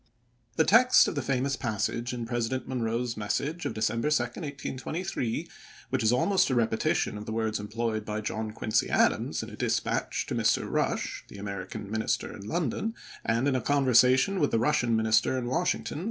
The text of the famous passage in President Monroe's message of December 2, 1823, which is almost a repetition of the words employed by John Quincy Adams in a dispatch to Mr. Eush, the American Minister in London, and in a conversa tion with the Russian Minister in Washington, G.